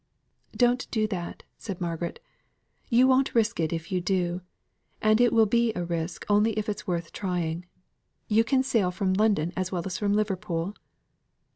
"Don't do that," said Margaret. "You won't risk it if you do. And it will be as risk; only it is worth trying. You can sail from London as well as from Liverpool?"